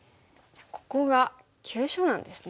ここが急所なんですね。